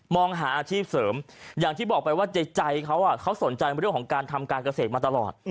องหาอาชีพเสริมอย่างที่บอกไปว่าใจเขาเขาสนใจเรื่องของการทำการเกษตรมาตลอด